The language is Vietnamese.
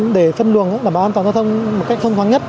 để phân luồng đảm bảo an toàn giao thông một cách thông thoáng nhất